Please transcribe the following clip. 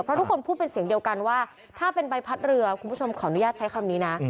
เพราะทุกคนพูดเป็นเสียงเดียวกันว่าถ้าเป็นใบพัดเรือคุณผู้ชมขออนุญาตใช้คำนี้นะ